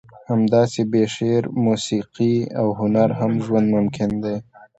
همداسې بې شعر، موسیقي او هنره هم ژوند ممکن دی.